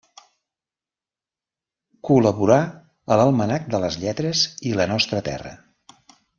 Col·laborà a l'Almanac de les Lletres i La Nostra Terra.